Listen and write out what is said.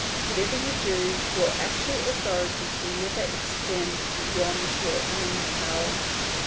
Whatever you do, your actual authority can never extend beyond your own powers.